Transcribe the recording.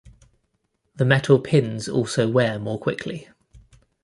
The metal pins also wear more quickly.